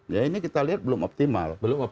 ya ini kita lihat belum optimal